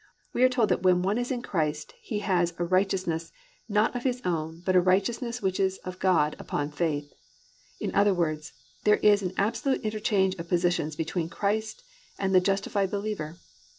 we are told that when one is in Christ he has a righteousness not of his own, but a "righteousness which is of God upon faith." In other words, there is an absolute interchange of positions between Christ and the justified believer.